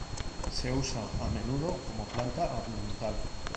Se usa a menudo como planta ornamental.